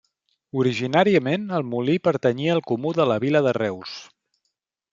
Originàriament el molí pertanyia al comú de la Vila de Reus.